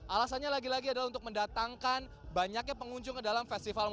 alasannya lagi lagi adalah untuk mendatangkan banyaknya pengunjung ke dalam festival